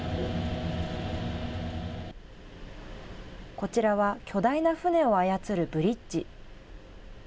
こちらは巨大な船を操るブリッジ。